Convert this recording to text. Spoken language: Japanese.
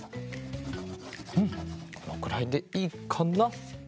うんこのくらいでいいかな？